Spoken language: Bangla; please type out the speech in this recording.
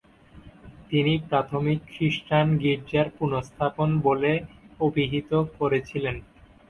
তিনি প্রাথমিক খ্রিস্টান গির্জার পুনঃস্থাপন বলে অভিহিত করেছিলেন।